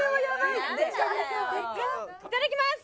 いただきます！